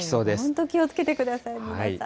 本当、気をつけてください、皆さん。